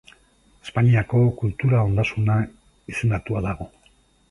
Espainiako Kultura Ondasuna izendatua dago.